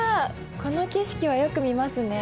この景色はよく見ますね。